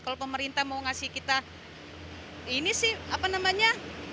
kalau pemerintah mau ngasih kita ini sih apa namanya